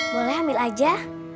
boleh ambil aja